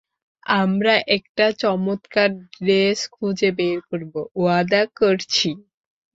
আমরা একটা চমৎকার ড্রেস খুঁজে বের করব, ওয়াদা করছি।